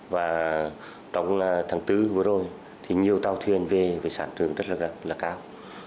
và trong tháng bốn vừa rồi nhiều tàu thuyền về sản trường rất là cao